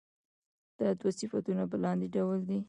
دا دوه صفتونه په لاندې ډول دي.